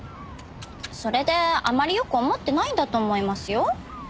それであまりよく思ってないんだと思いますよ。